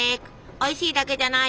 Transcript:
おいしいだけじゃない！